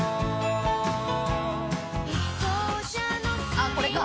あっこれか。